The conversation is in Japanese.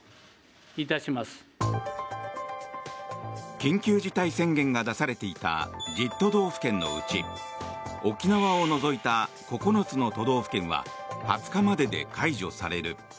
緊急事態宣言が出されていた１０都道府県のうち沖縄を除いた９つの都道府県は２０日までで解除される。